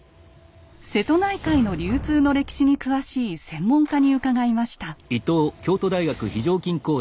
瀬戸内海の流通の歴史に詳しい専門家に伺いました。